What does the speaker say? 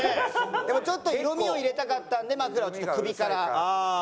でもちょっと色味を入れたかったんでマフラーを首からちょっと。